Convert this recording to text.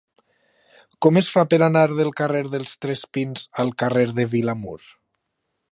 Com es fa per anar del carrer dels Tres Pins al carrer de Vilamur?